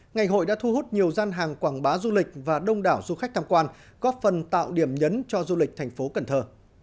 ngày hội đã thu hút nhiều gian hàng quảng bá du lịch và đông đảo du khách tham quan góp phần tạo điểm nhấn cho du lịch thành phố cần thơ